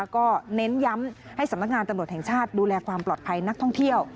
ก็เน้นย้ำให้สำนักงานตำรวจแห่งชาติดูแลความปลอดภัยนักท่องเที่ยว